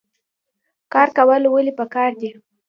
کار کول ولې پکار دي؟